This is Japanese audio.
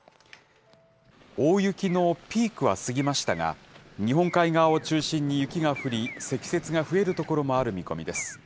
大雪のピークは過ぎましたが、日本海側を中心に雪が降り、積雪が増える所もある見込みです。